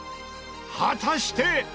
果たして。